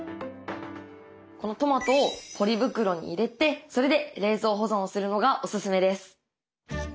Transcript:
このトマトをポリ袋に入れてそれで冷蔵保存をするのがおすすめです。